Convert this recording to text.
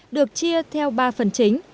được chia theo ba phần chính